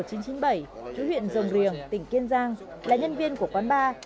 trú huyện rồng riềng tỉnh kiên giang là nhân viên của quán bar